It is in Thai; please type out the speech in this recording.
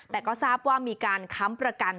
แต่ก็ทราบว่ามีการค้ำประกัน